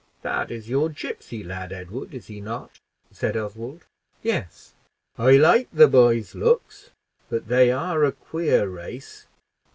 "That is your gipsy lad, Edward, is he not?" said Oswald. "Yes." "I like the boy's looks; but they are a queer race.